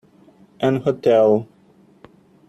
An hotel.